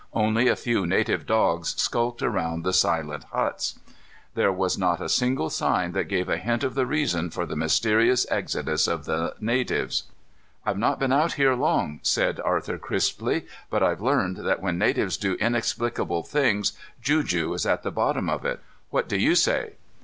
Only a few native dogs skulked around the silent huts. There was not a single sign that gave a hint of the reason for the mysterious exodus of the natives. "I've not been out here long," said Arthur crisply, "but I've learned that when natives do inexplicable things, juju is at the bottom of it. What do you say?"